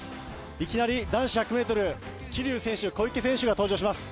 いきなり男子１００ｍ、桐生選手、小池選手が登場します。